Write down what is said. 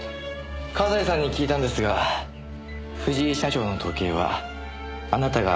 葛西さんに聞いたんですが藤井社長の時計はあなたが直していたそうですね。